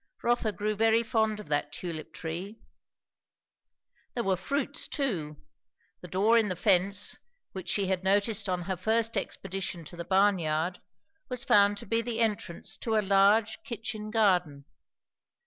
Rotha grew very fond of that tulip tree. There were fruits too. The door in the fence, which she had noticed on her first expedition to the barnyard, was found to be the entrance to a large kitchen garden.